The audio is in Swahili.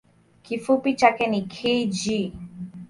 Kifupi chake ni kg.